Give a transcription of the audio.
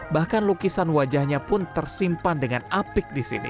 bahkan lukisan wajahnya pun tersimpan dengan apik di sini